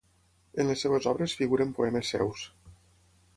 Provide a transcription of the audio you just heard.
En les seves obres figuren poemes seus.